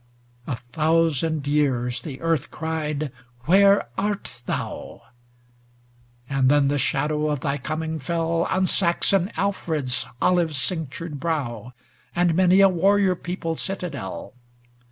IX A thousand years the Earth cried. Where art thou ? And then the shadow of thy coming fell On Saxon Alfred's olive cinctured brow; And many a warrior peopled citadel.